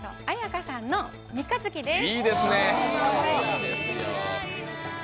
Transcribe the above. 絢香さんの「三日月」です。